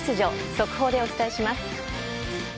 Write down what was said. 速報でお伝えします。